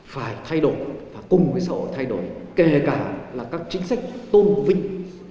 phải thay đổi và cùng với sở thay đổi kể cả là các chính sách tôn vinh